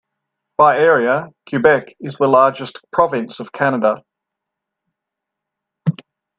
By area, Quebec is the largest province of Canada.